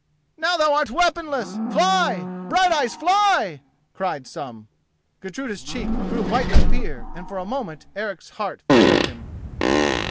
"Now thou art weaponless, fly! Brighteyes; fly!" cried some. Gudruda's cheek grew white with fear, and for a moment Eric's heart failed him.